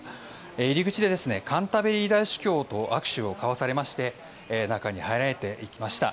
入り口でカンタベリー大主教と握手を交わされまして中に入られていきました。